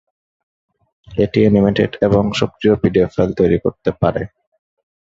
এটি এনিমেটেড এবং সক্রিয় পিডিএফ ফাইল তৈরী করতে পারে।